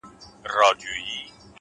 هره تېروتنه د اصلاح فرصت زېږوي’